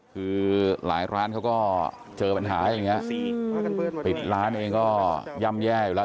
คือหลายร้านเขาก็เจอปัญหาอย่างนี้ปิดร้านเองก็ย่ำแย่อยู่แล้ว